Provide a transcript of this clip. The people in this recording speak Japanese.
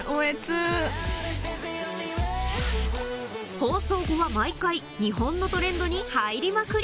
放送後は毎回日本のトレンドに入りまくり